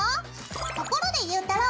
ところでゆうたろう。